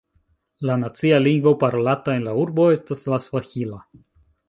La nacia lingvo parolata en la urbo estas la svahila.